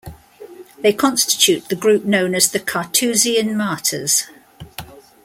They constitute the group known as the Carthusian Martyrs.